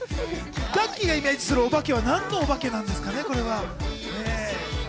ガッキーがイメージするおばけはなんのおばけなんですかね。